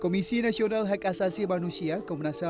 komisi nasional hak asasi manusia komnas ham